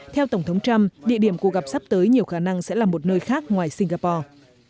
theo tổng thống trump địa điểm cuộc gặp sắp tới nhiều khả năng sẽ là một nơi khác ngoài singapore